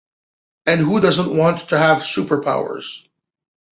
And who doesn't want to have super powers?